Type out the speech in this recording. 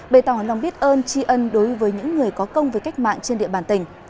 bày tỏ lòng biết ơn tri ân đối với những người có công với cách mạng trên địa bàn tỉnh